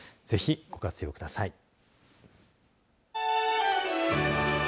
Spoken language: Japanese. ぜひ、ご活用ください。